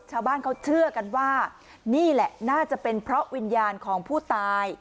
ชาวบ้านเขาเชื่อกันว่านี่แหละน่าจะเป็นเพราะวิญญาณของผู้ตาย